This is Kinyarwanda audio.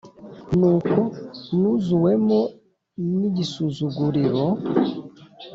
nuko nuzuwemo n’igisuzuguriro,